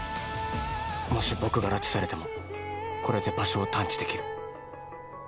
もし僕が拉致されてもこれで場所を探知できる。